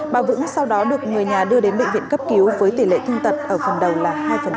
bà vững sau đó được người nhà đưa đến bệnh viện cấp cứu với tỷ lệ thương tật ở phần đầu là hai